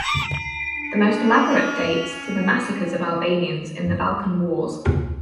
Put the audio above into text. The most elaborate dates to the massacres of Albanians in the Balkan Wars.